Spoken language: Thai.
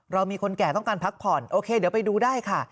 เรามีคนแก่ต้องการพักผ่อนโอเคเดี๋ยวไปดูได้ค่ะ